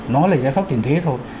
nó là giải pháp tình thế thôi